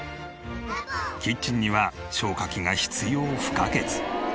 キッチンには消火器が必要不可欠。